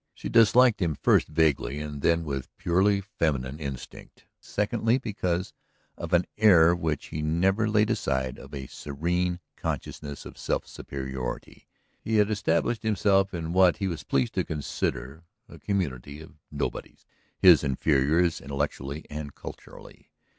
She disliked him first vaguely and with purely feminine instinct; secondly because of an air which he never laid aside of a serene consciousness of self superiority. He had established himself in what he was pleased to consider a community of nobodies, his inferiors intellectually and culturally.